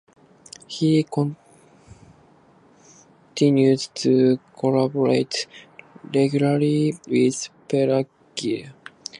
He continued to collaborate regularly with Peter Gill.